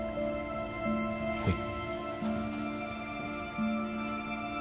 はい。